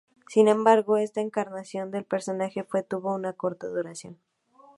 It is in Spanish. Sin embargo, esta encarnación del personaje fue tuvo una corta duración.